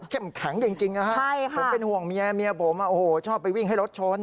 เข้มขังจริงนะครับเขาเป็นห่วงเมียเมียผมอ่ะโอ้โหชอบไปวิ่งให้รถชน